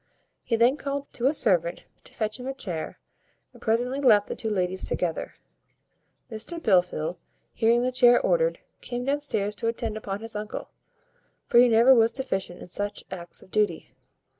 He then called to a servant to fetch him a chair, and presently left the two ladies together. Mr Blifil, hearing the chair ordered, came downstairs to attend upon his uncle; for he never was deficient in such acts of duty.